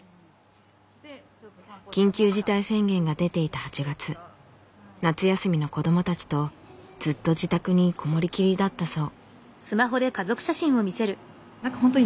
緊急事態宣言が出ていた８月夏休みの子どもたちとずっと自宅にこもりきりだったそう。